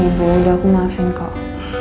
ibu udah aku masing kok